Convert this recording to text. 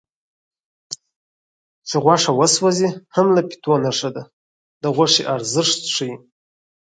چې غوښه وسوځي هم له پیتو نه ښه ده د غوښې ارزښت ښيي